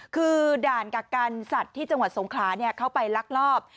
คือด่างกักรรมศัตรรศ์ที่จังหวัดสงคราเข้าไปรักรอบ